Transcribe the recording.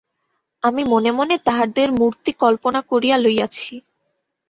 আমি মনে মনে তাহাদের মূর্তি কল্পনা করিয়া লইয়াছি।